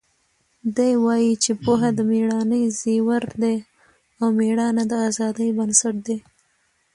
دی وایي چې پوهه د مېړانې زیور دی او مېړانه د ازادۍ بنسټ دی.